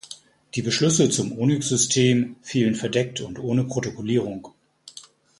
Die Beschlüsse zum Onyx-System fielen verdeckt und ohne Protokollierung.